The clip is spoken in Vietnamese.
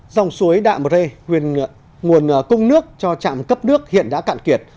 dòng suối đạm rê nguồn cung nước cho trạm cấp nước hiện đã cạn kiệt